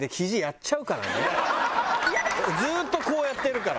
ずっとこうやってるから。